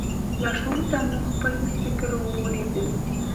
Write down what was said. لاشعور ته مو خپل فکر ولېږدوئ.